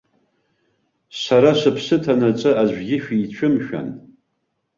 Сара сыԥсы ҭанаҵы аӡәгьы шәицәым-шәан.